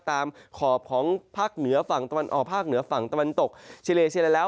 ขอบของภาคเหนือฝั่งตะวันออกภาคเหนือฝั่งตะวันตกชิเลเซียแล้ว